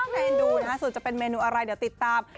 ใกล้เห็นดูน่าสุดจะเป็นเมนูอะไรเดี๋ยวติดตาม